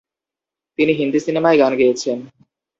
তিনি হিন্দি সিনেমায় গান গেয়েছেন।